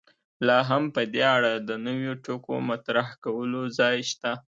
لا هم په دې اړه د نویو ټکو مطرح کولو ځای شته.